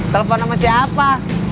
telepon sama siapa